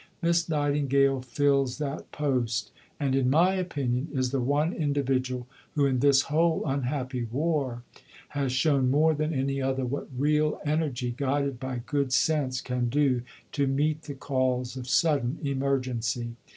Miss Nightingale fills that post; and, in my opinion, is the one individual who in this whole unhappy war has shown more than any other what real energy guided by good sense can do to meet the calls of sudden emergency."